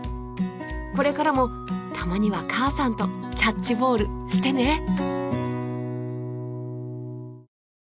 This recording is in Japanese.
これからもたまには母さんとキャッチボールしてね。